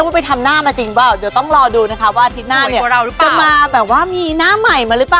ให้นางพักอาทิตย์หนึ่งนะคะ